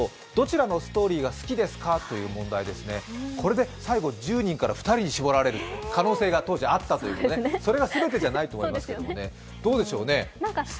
これで最後、１０人から２人に絞られる可能性が当時あったという、それが全てじゃないとは思いますけど、どうですか？